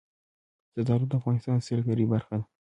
زردالو د افغانستان د سیلګرۍ برخه ده.